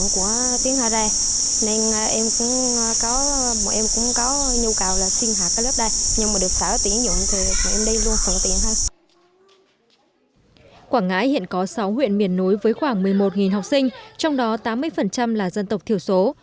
quảng ngãi hiện có sáu huyện miền núi với khoảng một mươi một học sinh trong đó tám mươi là dân tộc thiểu số